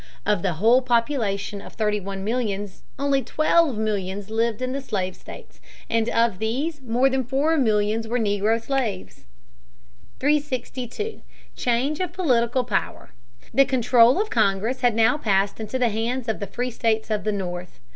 Of the whole population of thirty one millions only twelve millions lived in the slave states, and of these more than four millions were negro slaves. [Sidenote: New states. McMaster, 365 368.] 362. Change of Political Power. The control of Congress had now passed into the hands of the free states of the North.